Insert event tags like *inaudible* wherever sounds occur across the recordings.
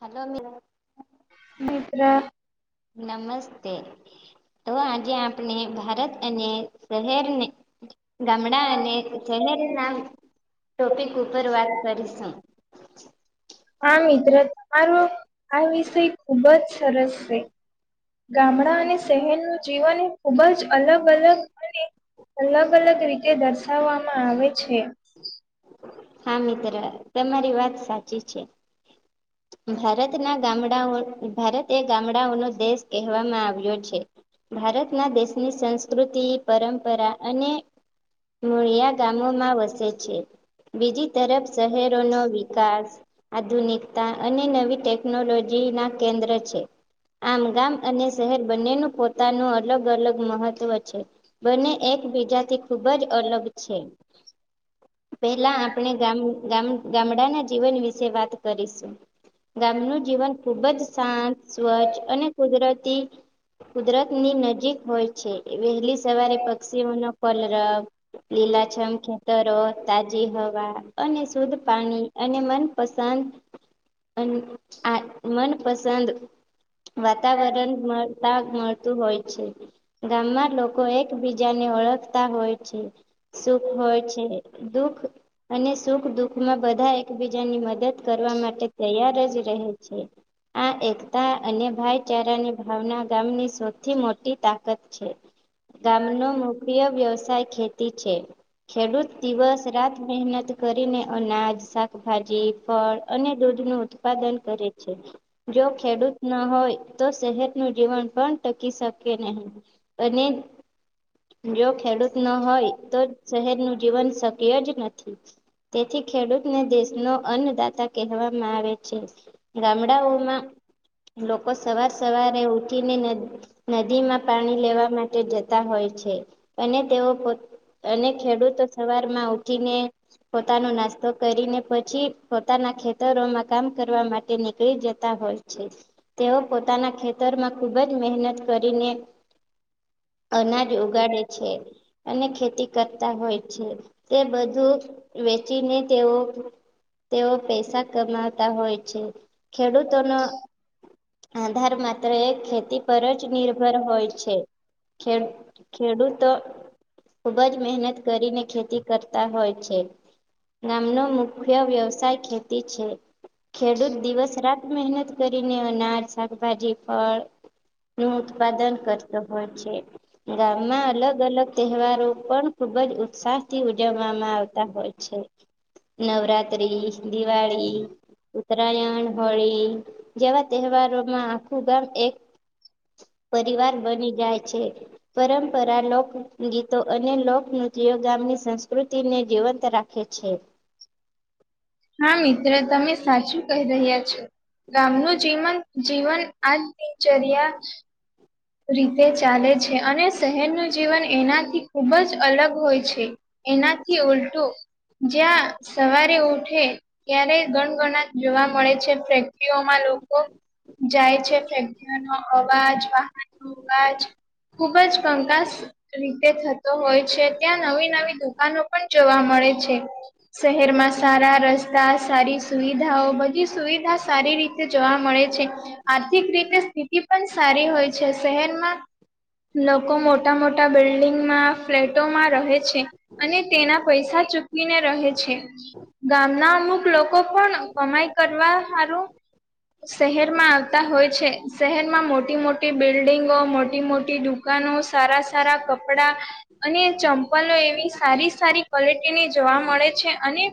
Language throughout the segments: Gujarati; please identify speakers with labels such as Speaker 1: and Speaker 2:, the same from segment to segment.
Speaker 1: હલો મમ
Speaker 2: મિત્ર
Speaker 1: નમસ્તે, તો આજે આપણે ભારત અને શહેરને, ગામડા અને શહેર નામ ટોપિક ઉપર વાત કરીશું
Speaker 2: હા, મિત્ર તમારો આ વિષય ખુબ જ સરસ છે ગામડા અને શહેર નુ જીવન ખુબ જ અલગ અલગ અને અલગ અલગ રીતે દર્શાવવામાં આવે છે
Speaker 1: હા, મિત્ર તમારી વાત સાચી છે ભારતના ગામડાઓ ભારત એ ગામડાઓનો દેશ કહેવામાં આવ્યો છે ભારતના દેશની સંસ્કૃતિ, પરંપરા અને મૂળિયા ગામોમાં વસે છે બીજી તરફ શહેરો નો વિકાસ આધુનિક અને નવી ટેકનોલોજી ના કેન્દ્ર છે આમ ગામ અને શહેર બંનેનું પોતાનું અલગ, અલગ મહત્વ છે બંને એકબીજાથી ખૂબ જ અલગ છે પેલા આપણે ગામ ગામ ગામડાના જીવન વિશે વાત કરીશ ગામનું જીવન ખુબ જ શાંત, સ્વચ્છ અને કુદરતી કુદરતની નજીક હોય છે, વહેલી સવારે પક્ષીઓનો પલરવ લીલાછમ ખેતરો, તાજી હવા અને શુદ્ધ પાણી અને મનપસંદ અને આ મનપસંદ વાતાવરણ મળતા મળતું હોય છે ગામમાં લોકો એકબીજાને ઓળખતા હોય છે સુખ હોય છે, દુખ અને સુખ દુઃખ માં બધા એકબીજાની મદદ એવા માટે તૈયાર રજ રહેે છે આ એકતા અને ભાઈચારાની ભાવના ગામની સૌથી મોટી તાકાત છે, ગામનો મુખ્ય વ્યવસાય ખેતી છે ખેડૂત દિવસ રાત મહેનત કરીને અનાજ, શાકભાજી, ફળ અને દૂધ નું ઉત્પાદન કરે છે જો ખેડૂત ના હોય તો શહેર નું જીવન પણ ટકી શકે નહીં અને જો ખેડૂત ન હોય તો શહેરનું જીવન શક્ય જ નથી તેથી ખેડૂતને દેશનો અન્નદાતા કહેવામાં આવે છે, ગામડાઓમાં લોકો સવાર સવારે ઉઠી ને નદીમાં પાણી લેવા માટે જતા હોય છે અને તેઓ અને ખેડૂતો સવાર માં ઉઠીને પોતાનો નાસ્તો કરીને પછી પોતાના ખેતરોમાં કામ કરવા માટ ટે નીકળી જતા હોય છે. તેઓ પોતાના ખેતરમાં ખુબજ મહેનત કરીને અનાજ ઉગાડે છે અને ખેતી કરતા હોય છે. તે બધું વેચીને તેઓ તેઓ પૈસા કમાવતા હોય છે. ખેડૂતોનો આધાર માત્ર એક ખેતી પરજ નિર્ભર હોય છે. ખ ખેડૂતો ખુબજ મહેનત કરીને ખેતી કરતા હોય છે. ગામનો મુખ્ય વ્યવ સાય ખેતી છે. ખેડૂત દિવસ રાત ખૂબ મહેનત કરીને અનાજ, શાકભાજી, ફળ નું ઉત્પાદન કરતો હોય છે. ગામમાં અલગ અલગ તહેવારો પણ ખુબજ ઉત્સાહથી ઉજવવામાં આવતા હોય છે. નવરાત્રી, દિવાળી ઉત્તરાયણ, હોળી, જેવા તહેવારોમાં આખું ગામ એક પરિવાર બની જાય છે. પરંપરા લોકગીતો અને લોકનૃત્યો ગામની સંસ્કૃતિને જીવંત રાખ ખે છે.
Speaker 2: હા મિત્ર, તમે સાચું કહી રહ્યા છો. ગામનું જીવન જીવન આજ દિનચર્યા રીતે ચાલે છે અને શહેરનું જીવન એનાથી ખૂબજ અલગ હોય છે. એનાથી ઉલટુ, જ્યાં સવારે ઉઠે ક્યારે ગણગણા જોવા મળે છે, ફેક્ટરીઓમાં લોકો જાય છે. ફેક્ટરીઓનો અવાજ, વાહનનો અવાજ ખુબજ કંકાસ રીતે થતો હોય છે. ત્યાં નવી નવી દુકાનો પણ જોવા મળે છે. શહેરમાં સારા રસ્તા, સારી સુવિધાઓ, બધી સુવિધા સારી રીતે તે જોવા મળે છે. આર્થિક રીતે સ્થિતિ પણ સારી હોય છે. શહેરમાં લોકો મોટા મોટા બિલ્ડિંગમાં, ફ્લેટોમાં રહે છે. અને તેના પૈસા ચૂકીવીને રહે છે. ગામના અમુક લોકો પણ કમાઈ કરવા હારુ. શહેરમાં આવતા હોય છે. શહેરમાં મોટી મોટ ટી બિલ્ડિંગો, મોટી મોટી દુકાનો, સારા સારા કપડા અને ચંપલો એવી સારી સારી ક્વોલિટીની જોવા મળે છે અને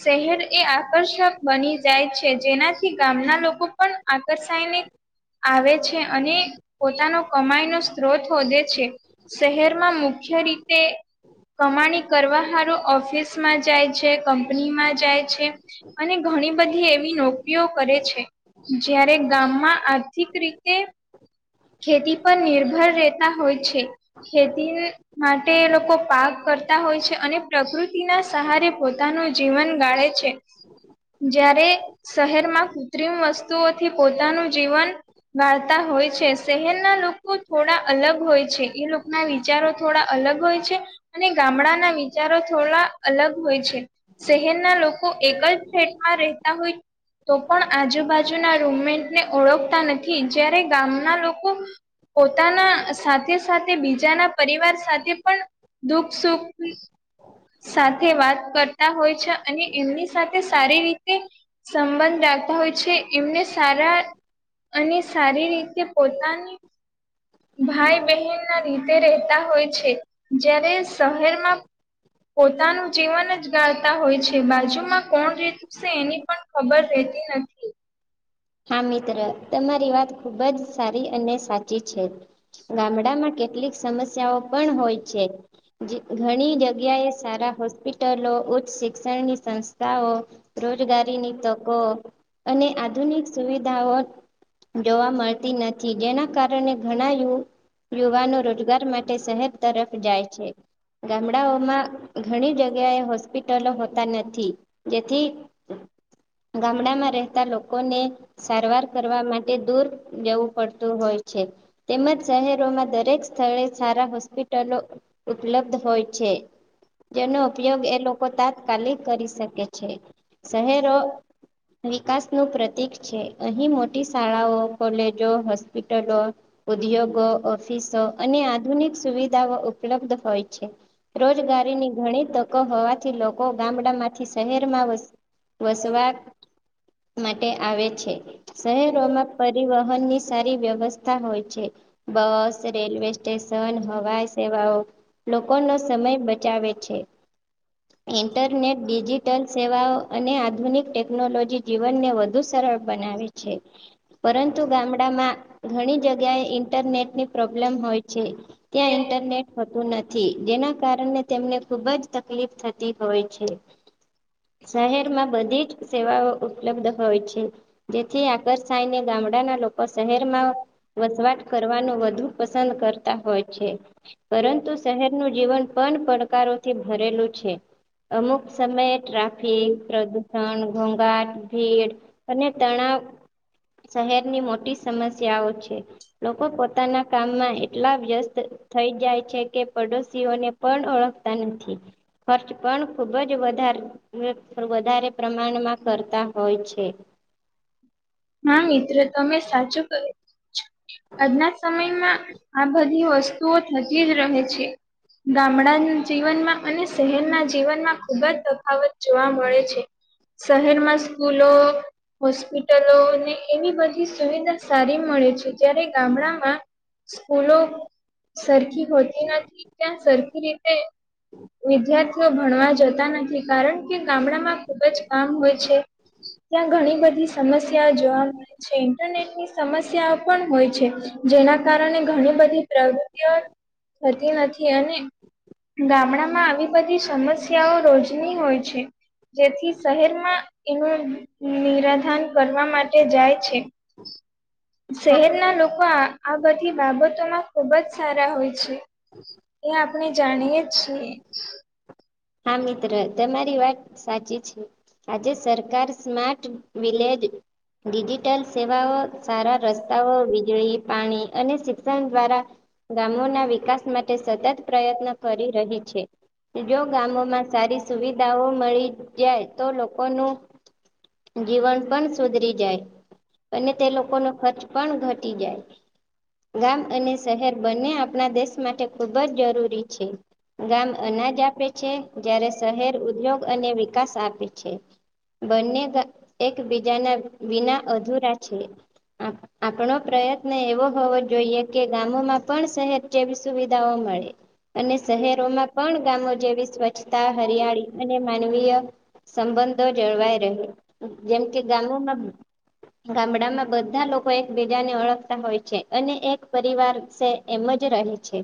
Speaker 2: શહેર એ આકર્ષક બની જાય છે. જેના થી ગામના લોકો પણ આકર્ષાયને આવે છે અને પોતાનો કમાઈનો સ્ત્રોત હોદે છે. શહેરમાં મુખ્ય રીતે કમાણી કરવા હારુ ઓફિસમાં જાય છે, કંપની માં જાય છે, અને ઘણી બધી એવી નોકરીઓ કરે છે. જયારે ગામમાં આર્થિક રીતે ખેતી પર નિર્ભર રહેતા હોય છે. ખેતીને માટે એલોકો પાક કરતા હોય છે અને પ્રકૃતિના સહારે પોતાનું જીવન ગાળે છે. જારે શહેરમાં કૃત્રિમ વસ્તુઓથી પોતાનું જીવન વાળતા હોય છે. શહેરના લોકો થોડા અલગ હોય છે. એ લોકોના વિચારો થોડા અલગ હોય છે. અને ગામડાના વિચારો થોડા અલગ હોય છે. શહેરના લોકો એકજ ફ્લેટમાં રહેતા હોય તો પણ આજુબાજુના રૂમેન્ટને ઓળખતા નથી. જયારે ગામના લોક *unintelligible* પોતાના સાથે સાથે બીજાના પરિવાર સાથે પણ દુઃખ સુખ સાથે વાત કરતા હોય છે અને એમની સાથે સારી રીતે સંબંધ રાખતા હોય છે એમને સારા અને સારી રીતે પોતાની ભાઈ બહેન ના રીતે રહેતા હોય છે જ્યારે શહેરમાં પોતાનું જીવન જ ગાળતા હોય છે બાજુમાં કોણ રીત એની પણ ખબર રહેતી નથી
Speaker 1: હા મિત્ર તમારી વાત ખુબ જ સારી અને સાચી છે ગામડામાં કેટલીક સમસ્યાઓ પણ હોય છે ઘણી જગ્યાએ સારા હોસ્પિટલો ઉચ્ચ શિક્ષણની સંસ્થાઓ રોજગારીની તકો અને આધુનિક સુવિધાઓ જોવા મળતી નથી જેના કારણે ઘણા યુવાનો રોજગાર માટે શહેર તરફ જાય છે ગામડાઓમાં ઘણી જગ્યાએ હોસ્પિટલો હોતા નથી જેથી ગામડામાં રહેતા લોકોને સારવાર કરવા માટે દૂર જવું પડતું હોય છે તેમજ શહેરોમાં દરેક સ્થળે સારા હોસ્પિટલો ઉપલબ્ધ હોય છે. તેનો ઉપયોગ એ લોકો તાત્કાલી કરી શકે છે શહેરો વિકાસ નું પ્રતિક છે અહી મોટી શાળાઓ કોલેજો હોસ્પિટલો ઉદ્યોગો ઓફિસો અને આધુનિક સુવિધાઓ ઉપલબ્ધ હોય છે. રોજગારીની ઘણી તક હોવાથી લોકો ગામડા માંથી શહેરમાં વસ વસવાટ માટે આવે છે શહેરોમાં પરિવહન ની સારી વ્યવસ્થા હોય છે. બસ રેલવે સ્ટેશન હવાઈ સેવાઓ લોકોનો સમય બચાવે છે. ઇન્ટરનેટ ડિજિટલ સેવાઓ અને આધુનિક ટેકનોલોજી જીવનને વધુ સરળ બનાવે છે પરંતુ ગામડામાં ઘણી જગ્યાએ ઇન્ટરનેટની પ્રોબ્લેમ હોય છે. ત્યાં ઇન્ટરનેટ થતું નથી જેના કારણે તેમને ખુબ જ તકલીફ થતી હોય છે. શહેરમાં બધી જ સેવાઓ ઉપલબ્ધ હોય છે જેથી આકર્ષાયને ગામડાના લોકો શહેરમાં વસવાટ કરવાનું વધુ પસંદ કરતા હોય છે. પરંતુ શહેરનું જીવન પણ પડકારોથી ભરેલું છે. અમુક સમયે ટ્રાફિક પ્રદૂષણ ઘોંઘાટ ભીડ અને તણાવ શહેરની મોટી સમસ્યાઓ છે. લોકો પોતાના કામમાં એટલા વ્યસ્ત થઈ જાય છે કે પડોશીઓને પણ ઓળખતા નથી. ખર્ચ પણ ખુબ જ વધારે *unintelligible* વધારે પ્રમાણમાં કરતા હોય છે.
Speaker 2: હા મિત્ર તમે સાચું કહો છો. આજના સમયમાં આ બધી વસ્તુઓ થતી જ રહે છે. ગામડા જીવનમાં અને શહેરના જીવનમાં ખુબ જ તફાવત જોવા મળે છે. શહેરમાં સ્કૂલો હોસ્પિ હોટલોને એવી બધી સુવિધા સારી મળે છે જ્યારે ગામડામાં સ્કૂલો સરખી હોતી નથી ત્યાં સરખી રીતે વિદ્યાર્થીઓ ભણવા જતા નથી કારણ કે ગામડામાં ખુબ જ કામ હોય છે. ત્યાં ઘણી બધી સમસ્યા જોવા મળે છે ઇન્ટરનેટ ની સમસ્યાઓ પણ હોય છે જેના કારણે ઘણી બધી પ્રગતિઓ થતી નથી અને ગામડામાં આવી બધી સમસ્યાઓ રોજની હોય છે. જેથી શહેરમાં એનું નિરાધાન કરવા માટે જાય છે શહેરના લોકો આ આ બધી બાબતોમાં ખુબ જ સારા હોય છે. એ આપણે જાણીએ છીએ.
Speaker 1: હા મિત્ર તમારી વાત સાચી છે. આજે સરકાર સ્મા્ટ વિલેજ ડિજિટલ સેવાઓ સારા રસ્તાઓ વીજળી પાણી અને શિક્ષણ દ્વારા ગામોના વિકાસ માટે સતત પ્રયત્ન કરી રહે છે. ગામોમાં સારી સુવિધાઓ મળી જાય તો લોકોનું જીવન પણ સુધરી જાય. અને તે લોકો ન ખર્ચ પણ ઘટી જાય. ગામ અને શહેર બંને આપણા દેશ માટે ખુબ જ જરૂરી છે ગામ અનાજ આપે છે જ્યારે શહેર ઉદ્યોગ અને વિકાસ આપે છે બંને એકબીજાના વિના અધુરા છે આપણો પ્રયત્ન એવો હોવો જોઈએ કે ગામોમાં પણ શહેર જેવી સુવિધાઓ મળે અને શહેરોમાં પણ ગામો જેવી સ્વચ્છતા હરિયાળી અને માનવીય સંબંધો જળવાઈ રહે જેમ કે ગામોમાં ગામડામાં બધા લોકો એકબીજાને ઓળખતા હોય છે અને એક પરિવાર છે એમ જ રહે છે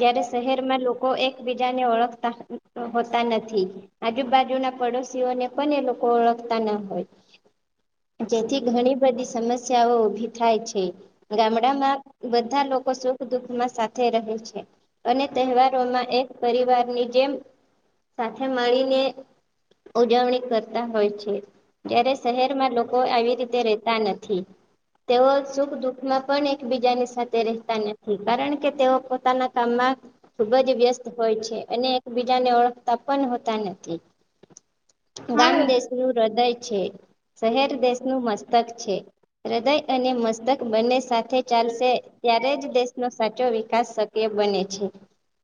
Speaker 1: જયારે શહેરમાં લોકો એકબીજાને ઓળખતા હોતા નથી આજુબાજુ ના પડોશીઓને પણ એ લોકો ઓળખતા ના હોય જેથી ઘણી બધી સમસ્યાઓ ઉભી થાય છે ગામડામાં બધા લોકો સુખ દુઃખ માં સાથે થે રહે છે અને તહેવારોમાં એક પરિવારની જેમ સાથે મળીને ઉજવણી કરતા હોય છે જ્યારે શહેરમાં લોકો આવી રીતે રેતા નથી તેઓ સુખ દુખ માં પણ એકબીજાની સાથે રહેતા નથી કારણ કે તેઓ પોતાના કામમાં ખુબ જ વ્યસ્ત હોય છે અને એક ત્યાં ને ઓળખતા પણ હોતા નથી
Speaker 2: હા
Speaker 1: ગામ
Speaker 2: મિ-
Speaker 1: દેશ નું હૃદય છે શહેર દેશનું મસ્તક છે હૃદય અને મસ્તક બંને સાથે ચાલશે ત્યારે જ દેશનો સાચો વિકાસ શક એ બને છે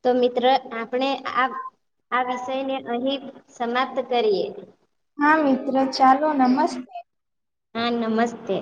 Speaker 1: તો મિત્ર આપણે આ આ વિષય ને અહી સમાપ્ત કરીએ
Speaker 2: હા મિત્ર ચાલો નમસ્તે
Speaker 1: હા નમસ્તે